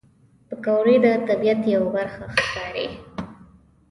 پکورې د طبیعت یوه برخه ښکاري